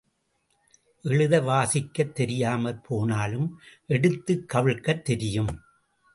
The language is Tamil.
எழுத வாசிக்கத் தெரியாமற் போனாலும் எடுத்துக் கவிழ்க்கத் தெரியும்.